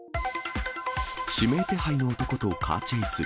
指名手配の男とカーチェイス。